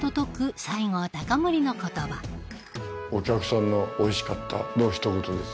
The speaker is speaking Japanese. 西郷隆盛の言葉お客さんの「おいしかった」のひと言ですよね。